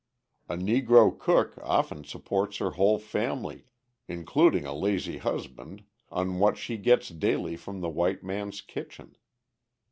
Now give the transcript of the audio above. A Negro cook often supports her whole family, including a lazy husband, on what she gets daily from the white man's kitchen.